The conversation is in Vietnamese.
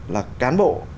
là cán bộ